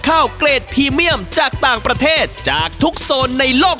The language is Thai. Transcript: ข้าวเกรดพรีเมียมจากต่างประเทศจากทุกโซนในโลก